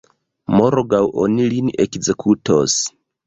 Morgaŭ oni lin ekzekutos.